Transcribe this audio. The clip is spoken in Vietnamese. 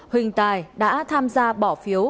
huỳnh tài đã tham gia bỏ phiếu